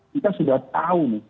kita sudah tahu nih